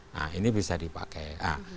nah ini bisa dipakai